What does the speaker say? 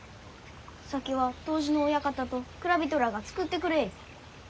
酒は杜氏の親方と蔵人らあが造ってくれゆう。